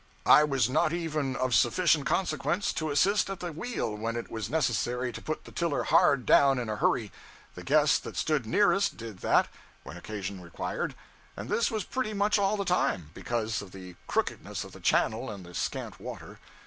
I was not even of sufficient consequence to assist at the wheel when it was necessary to put the tiller hard down in a hurry; the guest that stood nearest did that when occasion required and this was pretty much all the time, because of the crookedness of the channel and the scant water.